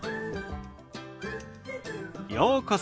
ようこそ。